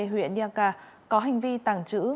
huyện niaca có hành vi tàng trữ